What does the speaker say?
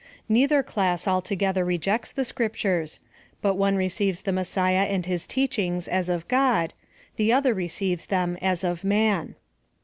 Neithei class altogether rejects the Scriptures, but one receives the Messiah and his teachings as of God — the other receives them as of man.